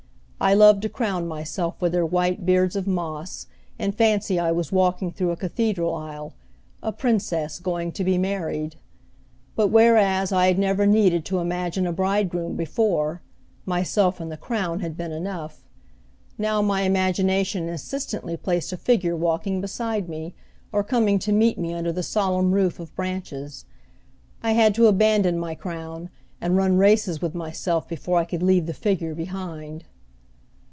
I loved to crown myself with their white beards of moss, and fancy I was walking through a cathedral aisle, a princess going to be married. But, whereas I had never needed to imagine a bride groom before myself and the crown had been enough now my imagination insistently placed a figure walking beside me, or coming to meet me under the solemn roof of branches. I had to abandon my crown, and run races with myself before I could leave the figure behind.